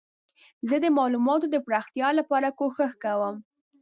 زه د معلوماتو د پراختیا لپاره کوښښ کوم.